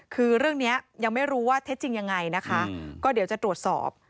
คือเรื่องนี้ยังไม่รู้ว่าเท็จจริงยังไงนะคะก็เดี๋ยวจะตรวจสอบ